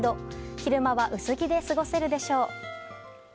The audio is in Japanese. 昼間は薄着で過ごせるでしょう。